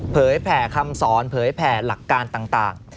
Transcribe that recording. แผ่คำสอนเผยแผ่หลักการต่าง